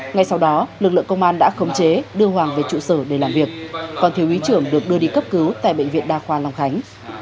ngay sau đó lực lượng công an đã khống chế đưa hoàng về trụ sở để làm việc còn thiếu úy trưởng được đưa đi cấp cứu tại bệnh viện đa khoa long khánh